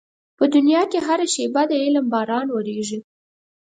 په دنيا کې هره شېبه د علم باران ورېږي.